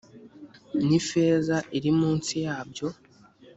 n ifeza iri munsi yabyo